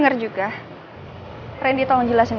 makan di budak pangkat kelihatan yang hahn